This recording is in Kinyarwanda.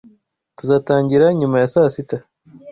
Tuzatangira nyuma ya saa sita.